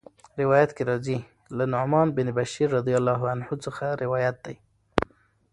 روايت کي راځي: له نعمان بن بشير رضي الله عنه څخه روايت دی